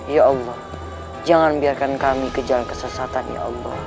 ya allah jangan biarkan kami kejal kesesatan ya allah